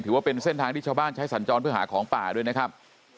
ว่าเป็นเส้นทางที่ชาวบ้านใช้สัญจรเพื่อหาของป่าด้วยนะครับ